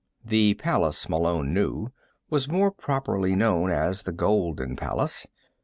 The Palace, Malone knew, was more properly known as the Golden Palace.